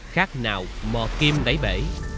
khác nào mò kim đáy bể